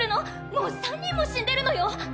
もう３人も死んでるのよ！